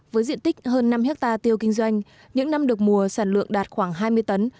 với diện tích hơn năm hectare tiêu kinh doanh những năm được mùa sản lượng đạt khoảng hai mươi tấn